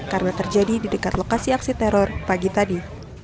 karena terjadi di dekat lokasi aksi teror pagi tadi